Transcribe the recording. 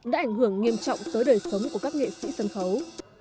đã ảnh hưởng nghiêm trọng tới đời sống của các nghệ sĩ sân khấu